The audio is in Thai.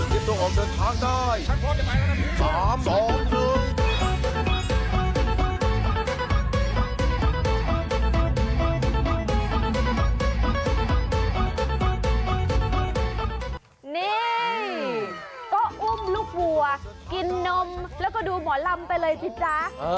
นี่ก็อุ้มลูกวัวกินนมแล้วก็ดูหมอลำไปเลยสิจ๊ะ